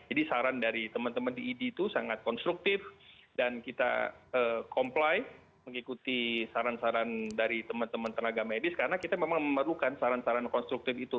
jadi saran dari teman teman di idi itu sangat konstruktif dan kita comply mengikuti saran saran dari teman teman tenaga medis karena kita memang memerlukan saran saran konstruktif itu